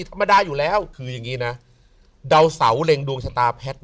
ธรรมดาอยู่แล้วคืออย่างนี้นะดาวเสาเล็งดวงชะตาแพทย์